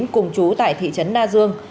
cùng chú tại thị trấn na dương